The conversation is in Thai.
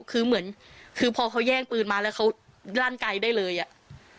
คือเหมือนคือพอเขาแย่งปืนมาแล้วเขาลั่นไกลได้เลยอ่ะ